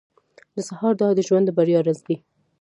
• د سهار دعا د ژوند د بریا راز دی.